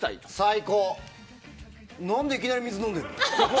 なんでいきなり水飲んでるの。